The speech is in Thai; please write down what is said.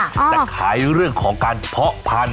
แต่ขายเรื่องของการเพาะพันธุ